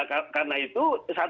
nah karena itu